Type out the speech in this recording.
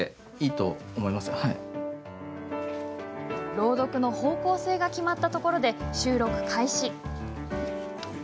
朗読の方向性が決まったところで収録開始。